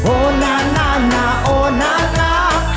โอ้น่าน่าน่าโอ้น่าน่า